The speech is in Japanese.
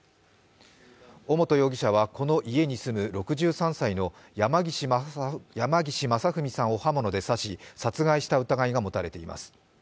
尾本容疑者はこの家に住む６３歳の山岸正文さんを刃物で刺し殺害した疑いが持たれています。